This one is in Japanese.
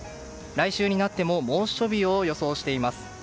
来週になっても猛暑日を予想しています。